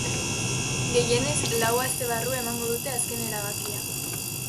Gehienez, lau aste barru emango dute azken erabakia.